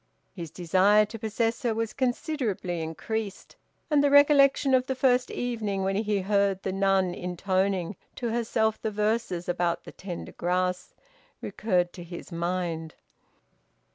His desire to possess her was considerably increased, and the recollection of the first evening when he heard the nun intoning to herself the verses about the tender grass, recurred to his mind.